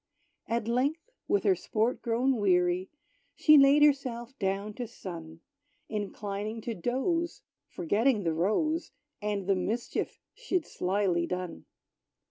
At length, with her sport grown weary, She laid herself down to sun, Inclining to doze, forgetting the rose, And the mischief she'd slily done.